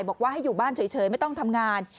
บอกว่าให้อยู่บ้านเฉยไม่ต้องทำงาน